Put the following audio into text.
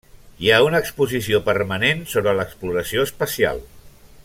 Hi ha una exposició permanent sobre l'exploració espacial.